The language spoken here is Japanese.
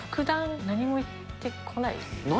何も言ってこない？